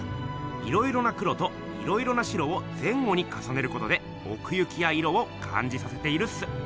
いろいろな黒といろいろな白を前後にかさねることでおく行きや色をかんじさせているっす。